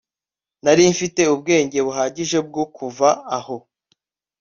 nari mfite ubwenge buhagije bwo kuva aho